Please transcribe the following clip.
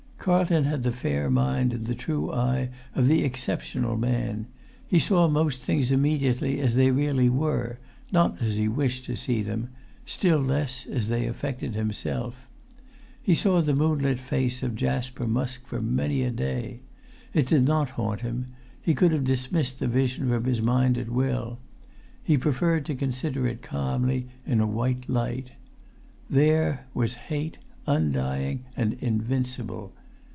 Carlton had the fair mind and the true eye of the exceptional man. He saw most things immediately as they really were, not as he wished to see them, still less as they affected himself. He saw the moonlit face of Jasper Musk for many a day. It did not haunt him. He could have dismissed the vision from his mind at will; he preferred to consider it calmly in a white light. There was hate undying and invincible.